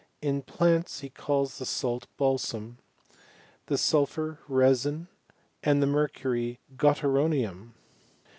In plants he calls the salt balsam, the sulphur resin and the mercury gotaro^ nium.